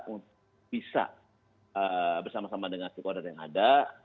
untuk bisa bersama sama dengan si kodal yang ada